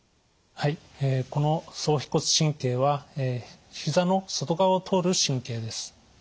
はいこの総腓骨神経は膝の外側を通る神経です。